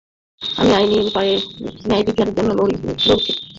আমি আইনি উপায়ে ন্যায়বিচারের জন্য লড়ছি।